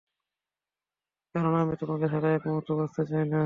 কারন, আমি তোমাকে ছাড়া এক মূহূর্তো বাঁচতে চাই না।